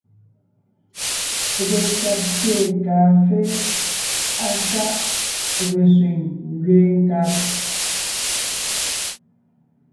Pege ka pyé kàafé á sáʼ pege sẅiŋ ngẅeen nkab.